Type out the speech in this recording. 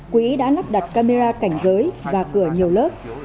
quỹ đã lắp đặt camera cảnh giới và cửa nhiều lớp